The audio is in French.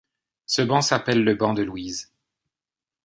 Ce banc s’appelle le banc de Louise.